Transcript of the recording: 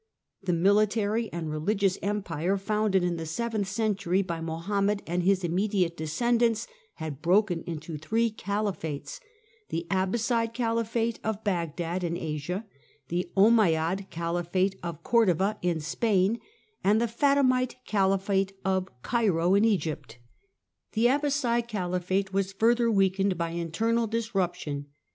The military and g^j^^g ^f religious Empire founded in the seventh century by ^^^^^ Mohammed and liis immediate descendants had broken into three caliphates — the Abbasside caliphate of Bagdad in Asia, the Ommeyad caliphate of Cordova in Spain, and the Fatimite caliphate of Cairo in Egypt. The Abbasside caliphate was further weakened by internal disruption.